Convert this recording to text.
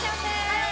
はい！